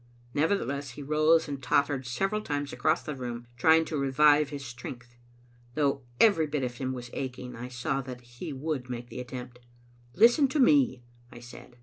Nevertheless, he rose and tottered several times across the room, trying to revive his strength. Though every bit of him was aching, I saw that he would make the attempt. " Listen to me," I said.